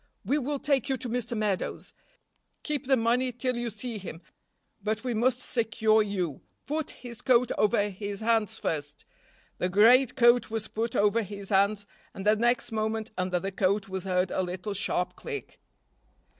we will take you to Mr. Meadows. Keep the money till you see him, but we must secure you. Put his coat over his hands first." The great coat was put over his hands, and the next moment under the coat was heard a little sharp click.